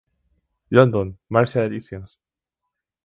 London: Marshall Editions.